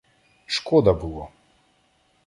Шкода було.